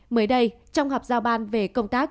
mới đây trong họp giao ban về công tác